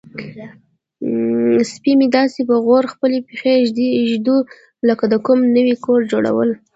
سپی مې داسې په غور خپلې پښې ږدوي لکه د کوم نوي کور جوړول.